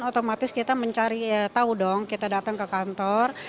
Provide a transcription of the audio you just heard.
otomatis kita mencari tahu dong kita datang ke kantor